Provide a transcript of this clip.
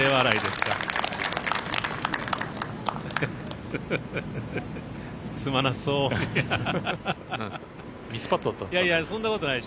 すまなそうな。